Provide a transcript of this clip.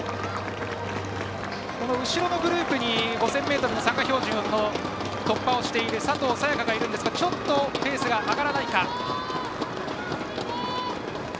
後ろのグループに５０００ｍの参加標準を突破している佐藤早也伽がいるんですがペースが上がらないか。